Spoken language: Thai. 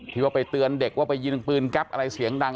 ที่ว่าไปเตือนเด็กว่าไปยิงปืนแก๊ปอะไรเสียงดัง